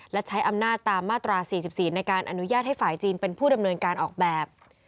และใช้อำนาจตามมาตรา๔๔ในการอนุญาตให้ฝ่ายจีนเป็นผู้ดำเนินการออกแบบ